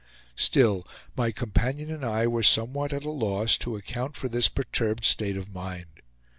Still my companion and I were somewhat at a loss to account for this perturbed state of mind.